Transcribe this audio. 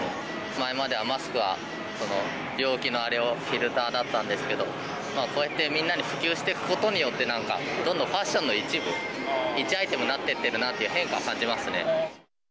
前まではマスクは病気のあれをフィルターだったんですけど、こうやってみんなに普及していくことによって、どんどんファッションの一部、一アイテムになっていってるなって、変化を感じますね。